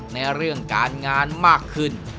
ในเรื่องการงานมากขึ้น